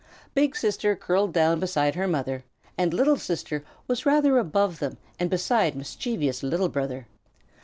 Big Sister curled down beside her mother and Little Sister was rather above them and beside mischievous Little Brother.